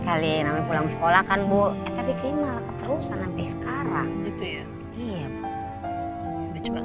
capek kali pulang sekolah kan bu tapi krim laku terus sampai sekarang gitu ya iya cuma